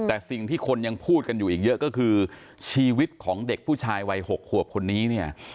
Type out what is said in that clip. แต่สิ่งที่คนยังพูดกันอยู่อีกเยอะก็คือชีวิตของเด็กผู้ชายวัย๖ขวบคนนี้เนี่ย